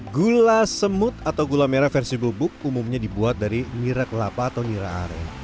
gula semut atau gula merah versi bubuk umumnya dibuat dari nira kelapa atau nira aren